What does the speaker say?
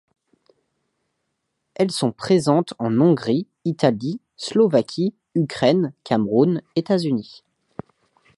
Elles sont présentes en Hongrie, Italie, Slovaquie, Ukraine, Cameroun, États-Unis.